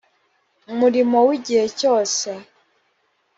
umurimo w igihe cyose